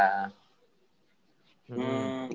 hmm itu ya bapak